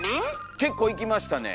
結構行きましたね。